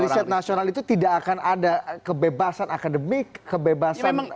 bukan karena riset nasional itu tidak akan ada kebebasan akademik kebebasan nalang